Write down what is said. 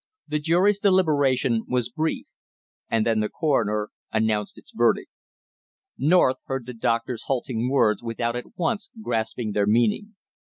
The jury's deliberation was brief and then the coroner announced its verdict. North heard the doctor's halting words without at once grasping their meaning.